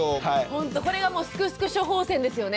ほんとこれがもうすくすく処方箋ですよね。